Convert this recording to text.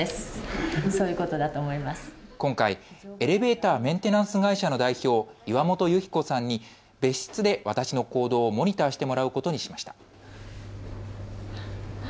今回、エレベーターメンテナンス会社の代表、岩本由起子さんに別室で私の行動をモニターしてもらうことにしました。